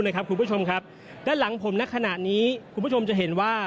ด้านหลังผมณขณะนี้คุณผู้ชมจะเห็นว่า